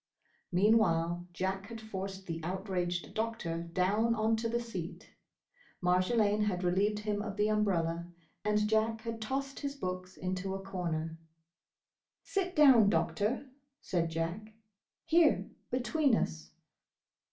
Meanwhile Jack had forced the outraged Doctor down on to the seat, Marjolaine had relieved him of the umbrella, and Jack had tossed his books into a corner. "Sit down, Doctor," said Jack, "here, between us."